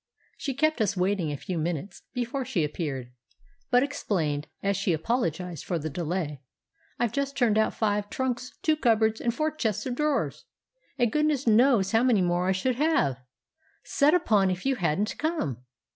She kept us waiting a few minutes before she appeared; but explained, as she apologised for the delay, "I've just turned out five trunks, two cupboards, and four chests of drawers—and goodness knows how many more I should have set upon if you hadn't come!